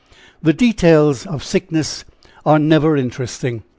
The details of sickness are never interesting.